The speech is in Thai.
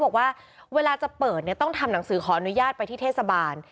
บอกว่าเวลาจะเปิดเนี่ยต้องทำหนังสือขออนุญาตไปที่เทศบาล